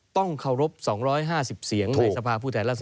ต้องเคารพ๒๕๐เสียงในสภาพูดแทนล่าสนุก